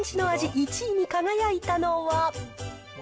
１位に輝いたのは。